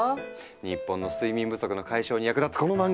日本の睡眠不足の解消に役立つこの漫画！